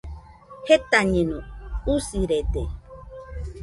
Jetañeno, usirede